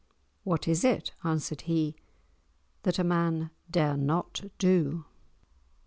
"What is it," answered he, "that a man dare not do?"